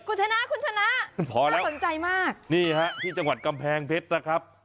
คุณชนะคุณชนะพอแล้วสนใจมากนี่ฮะที่จังหวัดกำแพงเพชรนะครับ